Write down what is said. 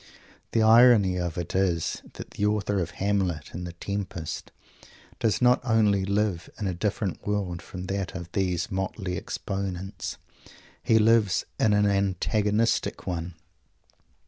The irony of it is that the author of Hamlet and the Tempest does not only live in a different world from that of these motley exponents. He lives in an antagonistic one.